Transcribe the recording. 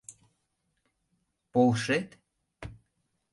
— Полшет?